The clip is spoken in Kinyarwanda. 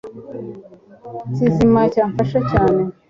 kizima cyamfasha cyane